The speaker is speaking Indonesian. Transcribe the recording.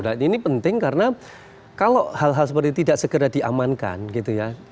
dan ini penting karena kalau hal hal seperti itu tidak segera diamankan gitu ya kita tidak punya lagi